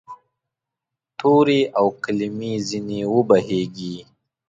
تورې او کلمې ځیني وبهیږې